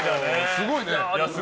すごいね。